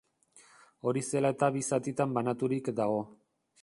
Hori zela eta bi zatitan banaturik dago.